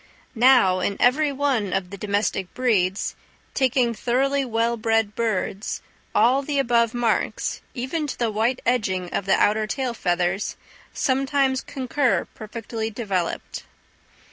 Now, in every one of the domestic breeds, taking thoroughly well bred birds, all the above marks, even to the white edging of the outer tail feathers, sometimes concur perfectly developed.